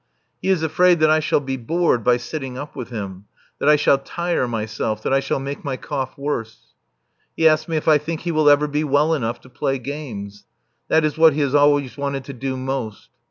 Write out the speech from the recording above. He is afraid that I shall be bored by sitting up with him, that I shall tire myself, that I shall make my cough worse. He asks me if I think he will ever be well enough to play games. That is what he has always wanted to do most.